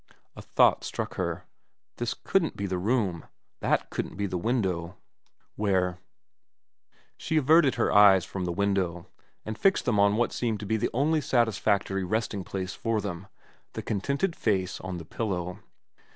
A thought struck her : This couldn't be the room, that couldn't be the window, where She averted her eyes from the window, and fixed them on what seemed to be the only satisfactory resting place for them, the contented face on the pillow.